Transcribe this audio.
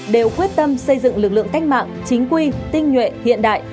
đều quyết tâm xây dựng lực lượng cách mạng chính quy tinh nhuệ hiện đại